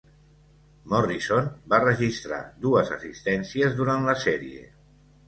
Morrison va registrar dues assistències durant la sèrie.